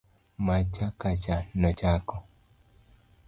macha kacha, nochako